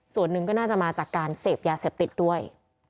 ส่วนหนึ่งก็น่าจะมาจากการเสพยาเสพติดด้วย